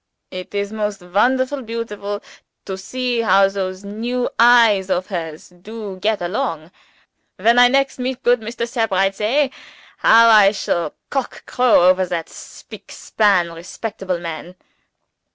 It is most wonderful beautiful to see how those new eyes of hers do get along. When I next meet goot Mr. Sebrights hey! how I shall cock crow over that spick span respectable man!"